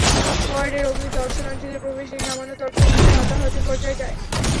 ওয়ার্ডে রোগীর দর্শনার্থীদের প্রবেশ নিয়ে সামান্য তর্ক থেকে হাতাহাতির পর্যায়ে যায়।